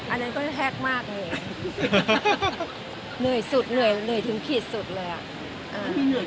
อันนั้นก็แทรกมากเนี่ยเหนื่อยสุดเหนื่อยถึงผิดสุดเลยอะ